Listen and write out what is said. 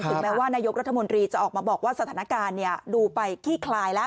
แม้ว่านายกรัฐมนตรีจะออกมาบอกว่าสถานการณ์ดูไปขี้คลายแล้ว